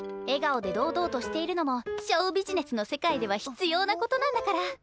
笑顔で堂々としているのもショウビジネスの世界では必要なことなんだから。